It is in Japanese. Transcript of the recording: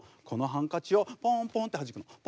このハンカチをポンポンってはじくの。